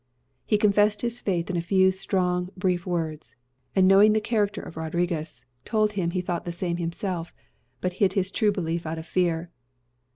He confessed his faith in a few strong, brief words; and knowing the character of Rodriguez, told him he thought the same himself, but hid his true belief out of fear.